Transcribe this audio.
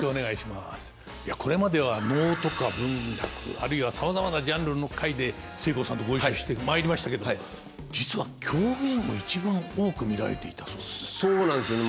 いやこれまでは能とか文楽あるいはさまざまなジャンルの回でせいこうさんとご一緒してまいりましたけど実は狂言を一番多く見られていたそうで。